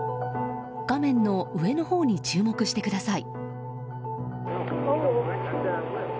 画面の上のほうに注目してください。